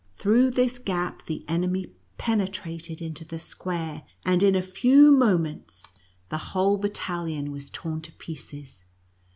Through this gap the enemy penetrated into the square, and in a few moments the whole battalion was 46 NUTCKACKER AND MOUSE KING. torn to pieces.